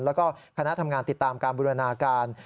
แล้วก็คณะทำงานติดตามการบูรณาการ